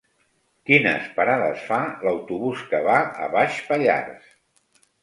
Quines parades fa l'autobús que va a Baix Pallars?